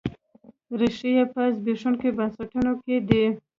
ریښې یې په زبېښونکو بنسټونو کې دي.